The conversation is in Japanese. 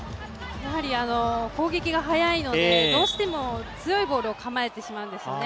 やはり攻撃が速いのでどうしても強いボールを構えてしまうんですね。